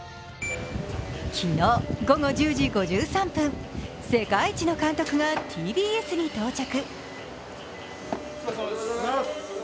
昨日午後１０時５３分、世界一の監督がＴＢＳに到着。